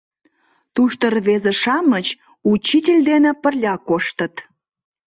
— Тушто рвезе-шамыч учитель дене пырля коштыт...